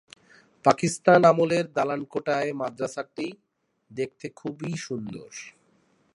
পাকিস্তান আমলের দালান কোটায় মাদরাসাটি দেখতে খুবই সুন্দর।